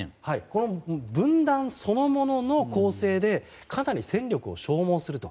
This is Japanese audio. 分断そのものの攻勢でかなり戦力を消耗すると。